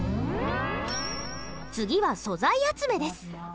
次は素材集めです。